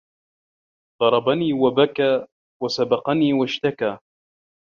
ضربني وبكى وسبقني واشتكى